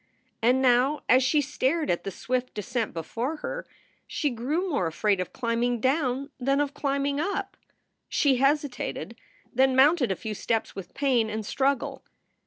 And now, as she stared at the swift descent before her, she grew more afraid of climbing down than of climbing up. She hesitated, then mounted a few steps with pain and struggle.